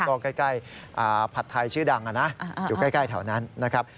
ก็ใกล้ผัดไทยชื่อดังนะอยู่ใกล้แถวนั้นนะครับ